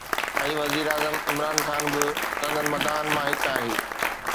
۽ وزيراعظم عمران خان به سندس مداحن مان هڪ آهي